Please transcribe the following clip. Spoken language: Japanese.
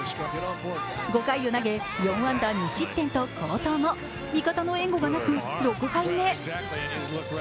５回を投げ４安打２失点と好投も味方の援護がなく６敗目。